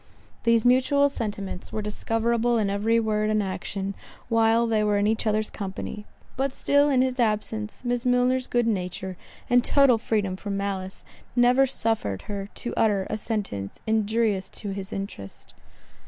These mutual sentiments were discoverable in every word and action, while they were in each other's company; but still in his absence, Miss Milner's good nature, and total freedom from malice, never suffered her to utter a sentence injurious to his interest.